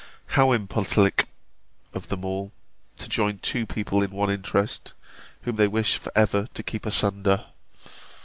How impolitic in them all, to join two people in one interest, whom they wish for ever to keep asunder!